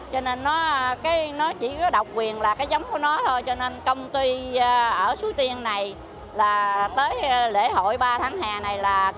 cho nên nó chỉ có độc quyền là cái giống của nó thôi cho nên công ty ở suối tiên này là tới lễ hội ba tháng hè này là